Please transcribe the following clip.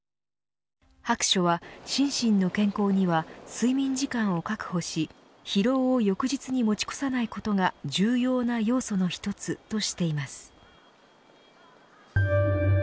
白書は、心身の健康には睡眠時間を確保し疲労を翌日に持ち越さないことが重要な要素の一つとしています。